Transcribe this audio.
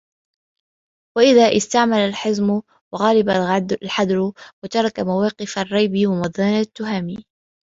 وَإِذَا اسْتَعْمَلَ الْحَزْمَ وَغَلَّبَ الْحَذَرَ وَتَرَكَ مَوَاقِفَ الرِّيَبِ وَمَظَانَّ التُّهَمِ